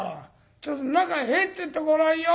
ちょっと中へ入ってってごらんよ。